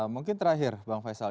mungkin terakhir bang faisal